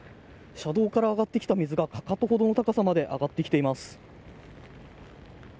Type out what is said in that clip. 車道から上がってきた水がかかとほどの高さまで上がってきています。